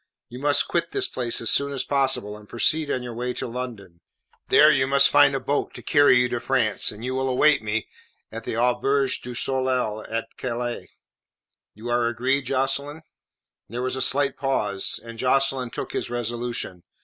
You must quit this place as soon as possible, and proceed on your way to London. There you must find a boat to carry you to France, and you will await me at the Auberge du Soleil at Calais. You are agreed, Jocelyn?" There was a slight pause, and Jocelyn took his resolution.